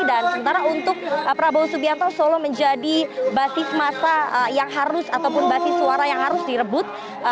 dan sementara untuk prabowo subianto solo menjadi basis masa yang harus ataupun basis suara yang harus direbut